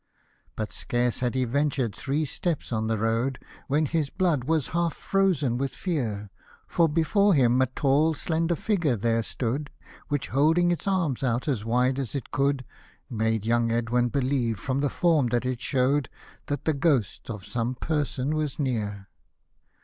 But scarce had he ventured three steps on the road, When his blood was half frozen with fear ; For before him a tall slender figure there stood, Which, holding its arms out as wide as it could, Made young Edwin believe from the form that it shew'd, That the ghost of some person was near.